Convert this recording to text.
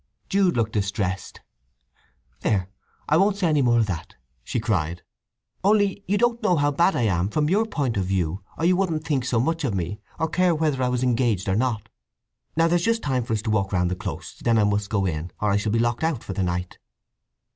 Jude looked distressed. "There—I won't say any more of that!" she cried. "Only you don't know how bad I am, from your point of view, or you wouldn't think so much of me, or care whether I was engaged or not. Now there's just time for us to walk round the Close, then I must go in, or I shall be locked out for the night."